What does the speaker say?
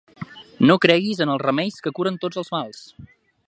No creguis en els remeis que curen tots els mals.